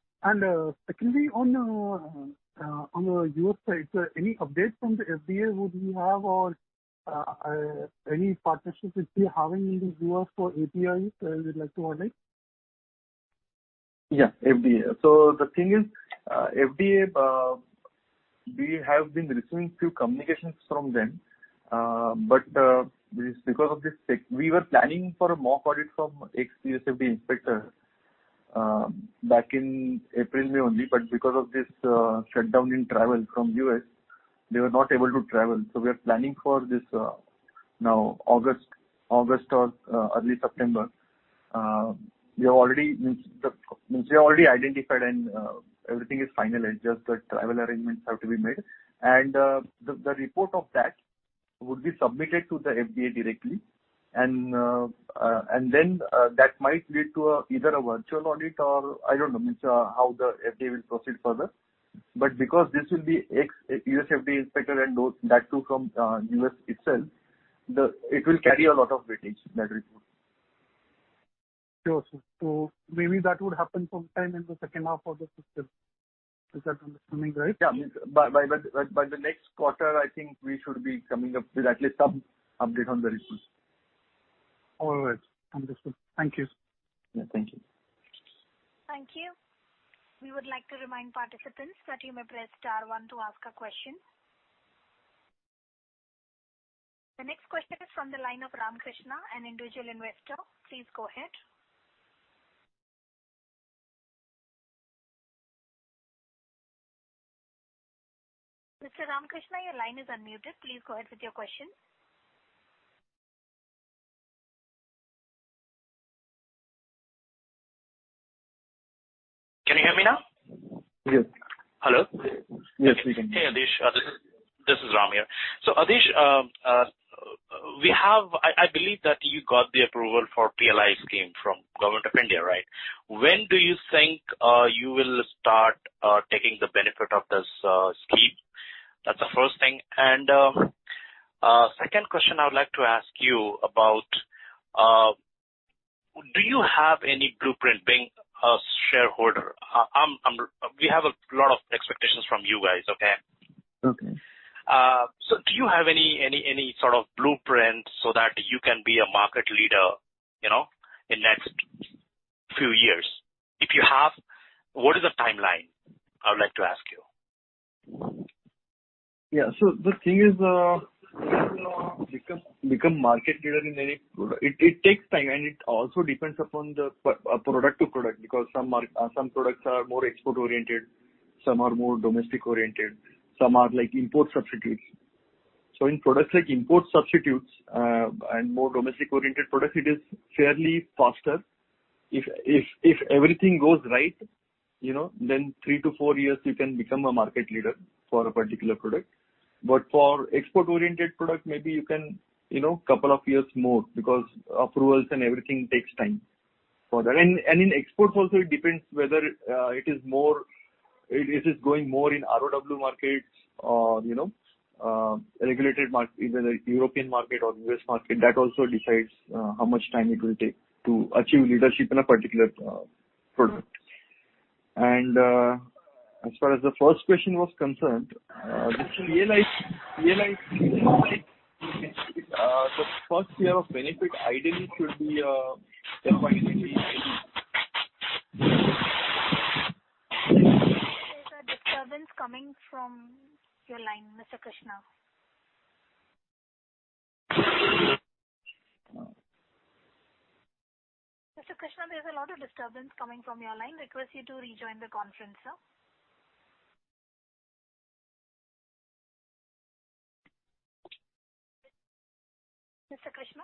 Secondly, on the U.S. side, any updates from the FDA would we have or any partnerships with you having in the U.S. for APIs that you'd like to highlight? Yeah, FDA. The thing is FDA, we have been receiving few communications from them. Because of this tech, we were planning for a mock audit from ex-USFDA inspector back in April, May only, but because of this shutdown in travel from U.S., they were not able to travel. We are planning for this now August or early September. We have already identified and everything is finalized, just the travel arrangements have to be made. The report of that would be submitted to the FDA directly and then that might lead to either a virtual audit or I don't know how the FDA will proceed further. Because this will be ex-USFDA inspector and that too from U.S. itself, it will carry a lot of weightage, that report. Sure, sir. Maybe that would happen sometime in the second half of the fiscal. Is that understanding right? Yeah. By the next quarter, I think we should be coming up with at least some update on the report. All right. Understood. Thank you. Yeah, thank you. Thank you. We would like to remind participants that you may press star one to ask a question. The next question is from the line of Ram Krishnan, an individual investor. Please go ahead. Mr. Ram Krishnan, your line is unmuted. Please go ahead with your question. Can you hear me now? Yes. Hello? Yes, we can hear. Hey, Adhish. This is Ram here. Adhish, I believe that you got the approval for PLI Scheme from Government of India, right? When do you think you will start taking the benefit of this scheme? That's the first thing. Second question I would like to ask you about, do you have any blueprint being a shareholder? We have a lot of expectations from you guys, okay? Okay. Do you have any sort of blueprint so that you can be a market leader in next few years? If you have, what is the timeline, I would like to ask you? Yeah. The thing is, become market leader in any product, it takes time, and it also depends upon the product to product because some products are more export-oriented, some are more domestic-oriented, some are import substitutes. In products like import substitutes and more domestic-oriented products, it is fairly faster. If everything goes right, three to four years you can become a market leader for a particular product. For export-oriented product, maybe you can couple of years more because approvals and everything takes time for that. In exports also, it depends whether it is going more in ROW markets or regulated market, either European market or U.S. market. That also decides how much time it will take to achieve leadership in a particular product. As far as the first question was concerned, the PLI There's a disturbance coming from your line, Mr. Krishnan. Mr. Krishnan, there's a lot of disturbance coming from your line. Request you to rejoin the conference, sir. Mr. Krishnan?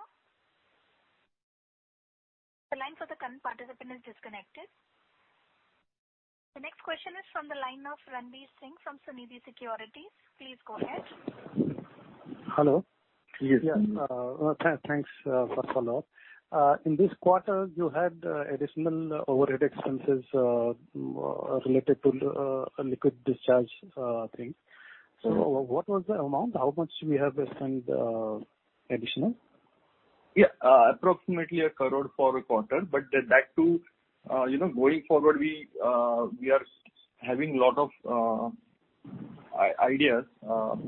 The next question is from the line of Ranvir Singh from Sunidhi Securities. Please go ahead. Hello. Yes. Thanks first of all. In this quarter you had additional overhead expenses related to liquid discharge thing. What was the amount? How much do we have to spend additional? Yeah. Approximately 1 crore for a quarter. Going forward, we are having a lot of ideas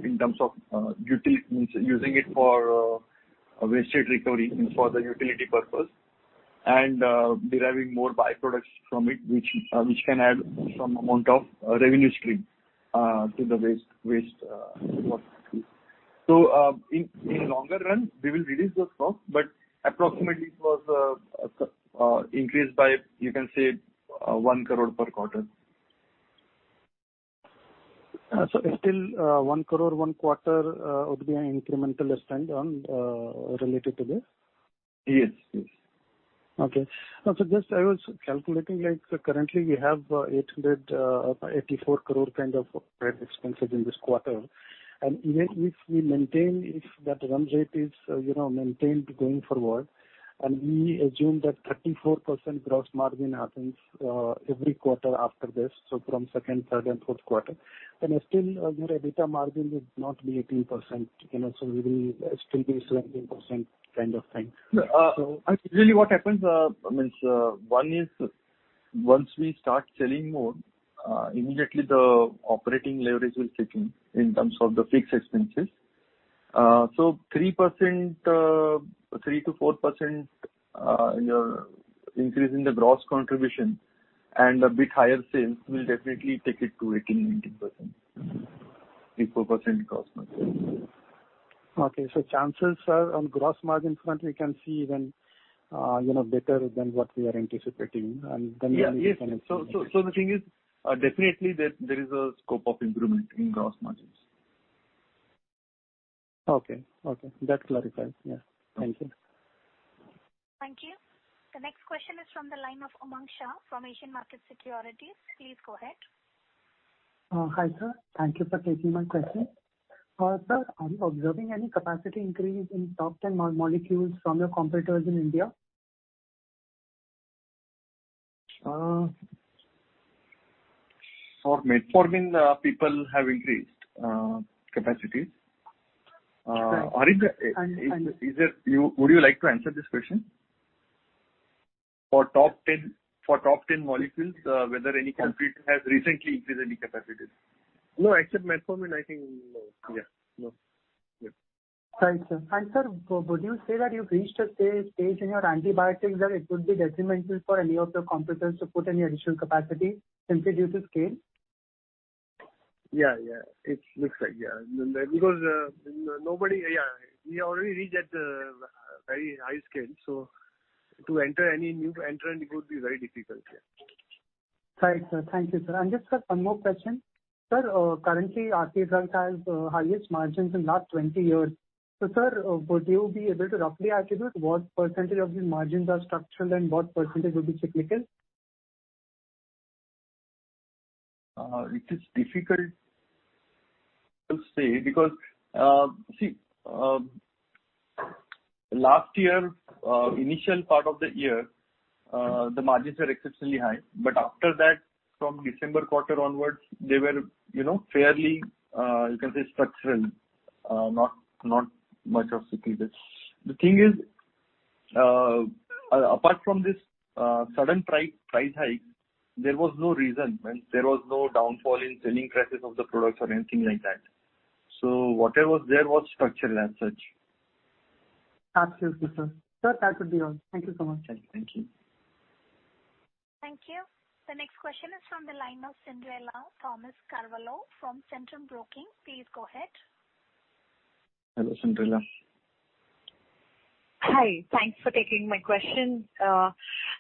in terms of using it for waste recovery for the utility purpose and deriving more byproducts from it, which can add some amount of revenue stream to the waste. In the longer run, we will release those costs, but approximately it was increased by, you can say, 1 crore per quarter. Still 1 crore, one quarter would be an incremental spend on, relative to this? Yes. Okay. Just I was calculating like currently we have 884 crore kind of credit expenses in this quarter. If that run rate is maintained going forward and we assume that 34% gross margin happens every quarter after this, From second, third, and fourth quarter, still your EBITDA margin would not be 18%. We will still be 17% kind of thing. Actually, once we start selling more, immediately the operating leverage will kick in terms of the fixed expenses. 3%-4% increase in the gross contribution and a bit higher sales will definitely take it to 18%-19%. 3%-4% gross margins. Okay. Chances are on gross margin front, we can see even better than what we are anticipating. Yeah. The thing is, definitely there is a scope of improvement in gross margins. Okay. That clarifies. Yeah. Thank you. Thank you. The next question is from the line of Umang Shah from Asian Markets Securities. Please go ahead. Hi, sir. Thank you for taking my question. Sir, are you observing any capacity increase in top 10 molecules from your competitors in India? For metformin, people have increased capacities. Right. Would you like to answer this question? For top 10 molecules, whether any competitor has recently increased any capacities? No, except metformin, I think no. Yeah. No. Yeah. Right, sir. Sir, would you say that you've reached a stage in your antibiotics that it would be detrimental for any of your competitors to put any additional capacity, simply due to scale? Yeah. It looks like, yeah. We already reached at the very high scale, so to any new entrant, it would be very difficult here. Right, sir. Thank you, sir. Just, sir, one more question. Sir, currently Aarti Drugs has highest margins in last 20 years. Sir, would you be able to roughly attribute what % of your margins are structural and what percent would be cyclical? It is difficult to say because, see last year initial part of the year, the margins were exceptionally high, but after that, from December quarter onwards, they were fairly, you can say structural, not much of cyclical. The thing is apart from this sudden price hike, there was no reason. There was no downfall in selling prices of the products or anything like that. Whatever was there was structural as such. Absolutely, sir. Sir, that would be all. Thank you so much, sir. Thank you. Thank you. The next question is from the line of Cyndrella Carvalho from Centrum Broking. Please go ahead. Hello, Cyndrella. Hi. Thanks for taking my question.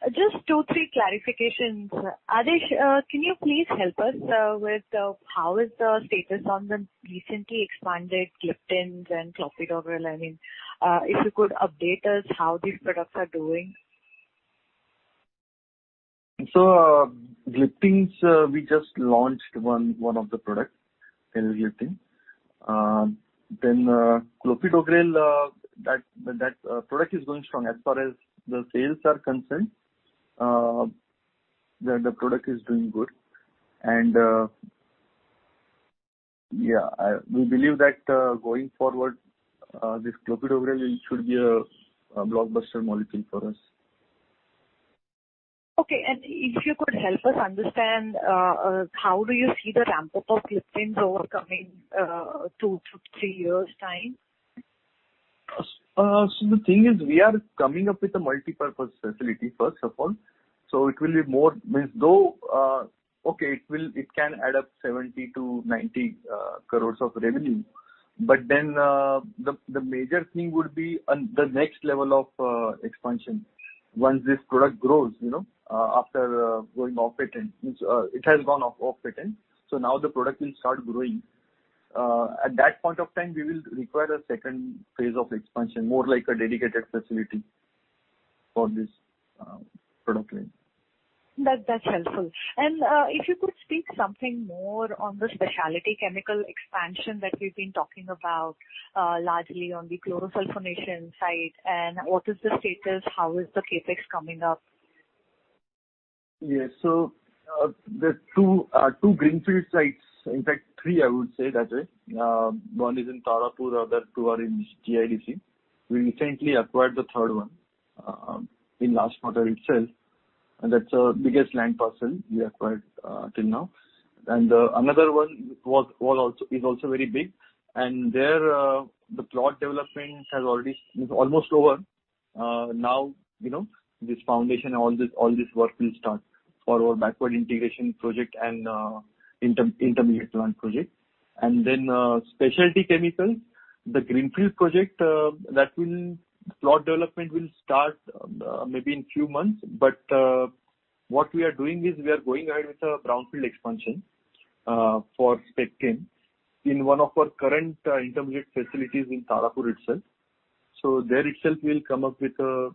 Just two, three clarifications. Adhish, can you please help us with how is the status on the recently expanded gliptins and clopidogrel? If you could update us how these products are doing. gliptins, we just launched one of the products in gliptins. clopidogrel, that product is going strong. As far as the sales are concerned, the product is doing good. We believe that going forward this clopidogrel should be a blockbuster molecule for us. Okay. If you could help us understand how do you see the ramp-up of Gliptins over coming two to three years' time? The thing is, we are coming up with a multipurpose facility, first of all. It can add up 70 crore-90 crores of revenue. The major thing would be the next level of expansion once this product grows after going off-patent. It has gone off patent, so now the product will start growing. At that point of time, we will require a second phase of expansion, more like a dedicated facility for this product line. That's helpful. If you could speak something more on the specialty chemical expansion that we've been talking about largely on the chlorosulfonation side, and what is the status, how is the CapEx coming up? Yes. There are two greenfield sites. In fact three, I would say that way. One is in Tarapur, other two are in GIDC. We recently acquired the third one in last quarter itself, and that's our biggest land parcel we acquired till now. Another one is also very big, and there the plot development is almost over. Now this foundation, all this work will start for our backward integration project and intermediate plant project. Specialty chemicals, the greenfield project, plot development will start maybe in few months. What we are doing is we are going ahead with a brownfield expansion for Spec Chem in one of our current intermediate facilities in Tarapur itself. There itself we'll come up with a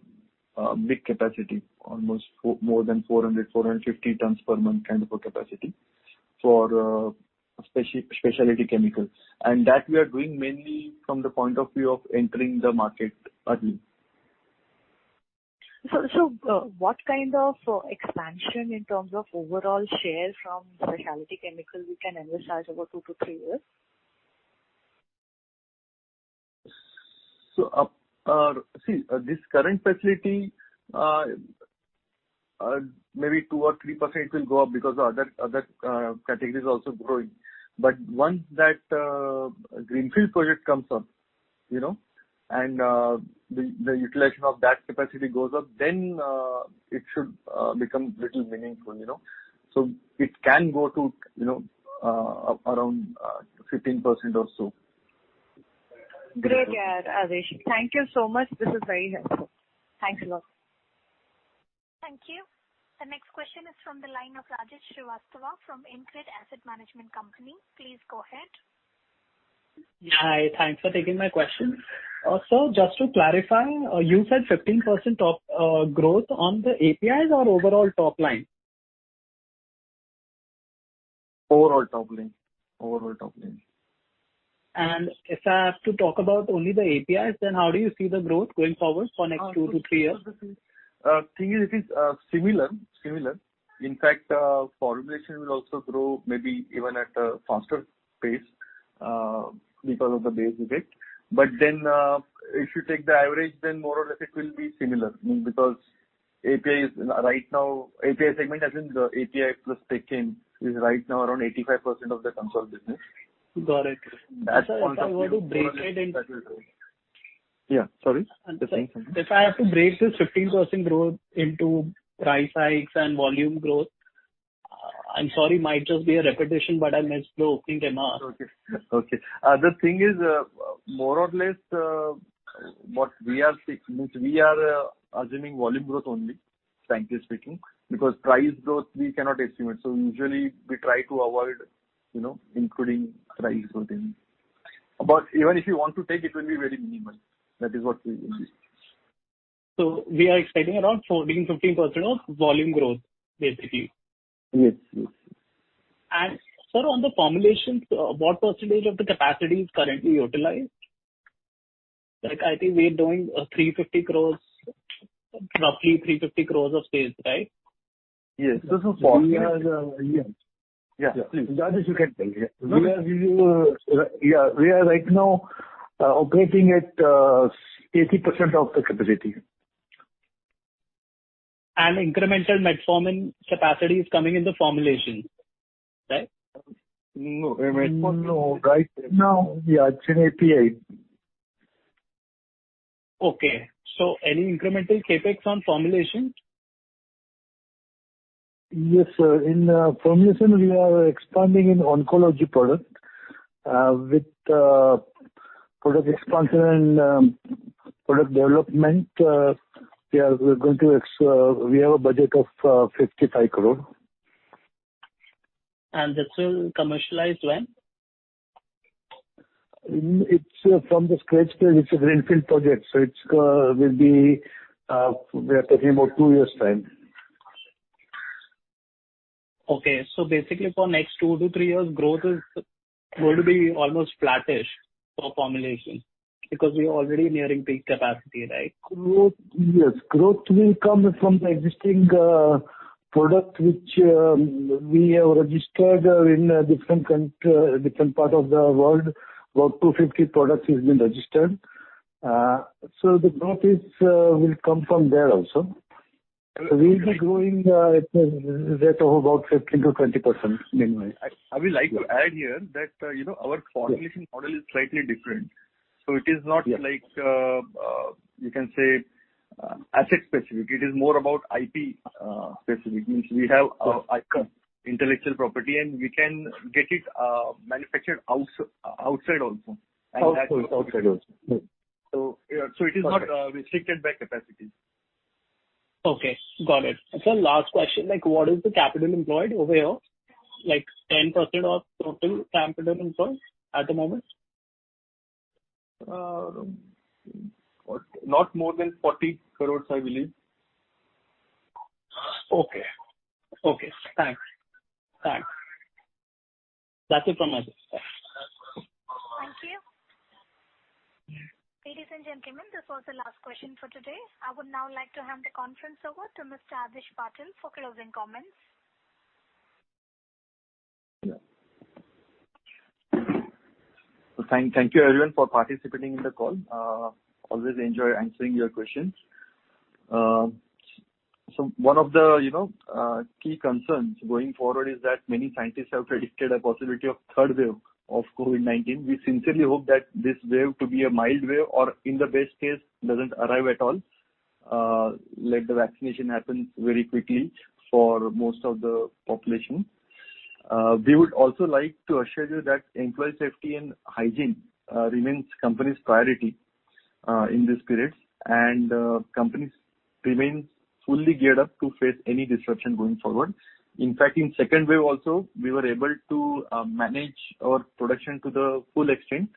big capacity, almost more than 400 tons/month-450 tons/ month kind of a capacity for specialty chemicals. That we are doing mainly from the point of view of entering the market early. What kind of expansion in terms of overall share from specialty chemicals we can emphasize over two to three years? This current facility maybe 2% or 3% will go up because other categories are also growing. Once that greenfield project comes up, and the utilization of that capacity goes up, then it should become a little meaningful. It can go to around 15% or so. Great, Adhish. Thank you so much. This is very helpful. Thanks a lot. Thank you. The next question is from the line of Rajat Srivastava from InCred Asset Management Company. Please go ahead. Hi. Thanks for taking my question. Sir, just to clarify, you said 15% growth on the APIs or overall top line? Overall top line. If I have to talk about only the APIs, then how do you see the growth going forward for next two to three years? The thing is it is similar. In fact, formulation will also grow maybe even at a faster pace because of the base effect. If you take the average, then more or less it will be similar because API segment, as in the API plus tech-in, is right now around 85% of the consol business. Got it. That's. If I were to break it into. Yeah. Sorry. If I have to break this 15% growth into price hikes and volume growth, I'm sorry it might just be a repetition, but I might as well open them up. Okay. The thing is, more or less what we are assuming volume growth only, frankly speaking, because price growth we cannot estimate. Usually we try to avoid including price growth in. Even if you want to take it will be very minimal. That is what we believe. We are expecting around 14%-15% of volume growth, basically. Yes. Sir, on the formulations, what percentage of the capacity is currently utilized? I think we're doing roughly 350 crores of sales, right? Yes. This is for. Yes. Yeah, please. Harshit, you can tell, yeah. We are right now operating at 80% of the capacity. Incremental metformin capacity is coming in the formulation, right? No. No. Right now, it's in API. Okay. Any incremental CapEx on formulation? Yes, sir. In formulation, we are expanding in oncology product with product expansion and product development. We have a budget of 55 crore. This will commercialize when? It's from the scratch scale, it's a greenfield project, so we are talking about two years' time. Okay. Basically for next two to three years, growth is going to be almost flattish for formulation because we're already nearing peak capacity, right? Yes. Growth will come from the existing product which we have registered in different parts of the world. About 250 products have been registered. The growth will come from there also. We'll be growing at a rate of about 15%-20%, minimum. I would like to add here that our formulation model is slightly different. It is not like, you can say, asset specific. It is more about IP specific. Means we have intellectual property and we can get it manufactured outside also. Outside also. It is not restricted by capacity. Okay. Got it. Sir, last question. What is the capital employed over here? 10% of total capital employed at the moment? Not more than 40 crores, I believe. Okay. Thanks. That's it from my side. Thanks. Thank you. Ladies and gentlemen, this was the last question for today. I would now like to hand the conference over to Mr. Adhish Patil for closing comments. Thank you, everyone, for participating in the call. Always enjoy answering your questions. One of the key concerns going forward is that many scientists have predicted a possibility of third wave of COVID-19. We sincerely hope that this wave to be a mild wave or in the best case, doesn't arrive at all. Let the vaccination happen very quickly for most of the population. We would also like to assure you that employee safety and hygiene remains company's priority in this period, and company remains fully geared up to face any disruption going forward. In fact, in second wave also, we were able to manage our production to the full extent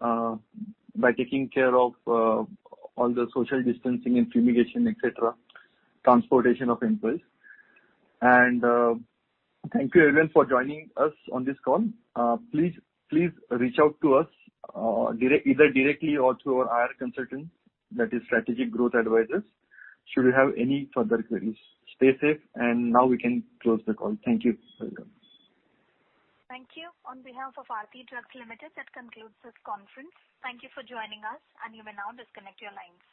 by taking care of all the social distancing and fumigation, et cetera, transportation of employees. Thank you, everyone, for joining us on this call. Please reach out to us either directly or through our IR consultant, that is Strategic Growth Advisors, should you have any further queries. Stay safe. Now we can close the call. Thank you. Welcome. Thank you. On behalf of Aarti Drugs Ltd, that concludes this conference. Thank you for joining us. You may now disconnect your lines.